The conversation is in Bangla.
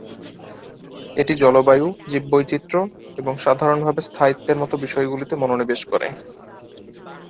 এটি জলবায়ু, জীববৈচিত্র্য এবং সাধারণভাবে স্থায়িত্বের মতো বিষয়গুলিতে মনোনিবেশ করে।